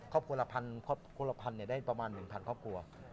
ครอบครัวละพันได้เป็นประมาณ๑๐๐๐ครอบครัว